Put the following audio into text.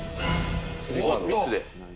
３つで。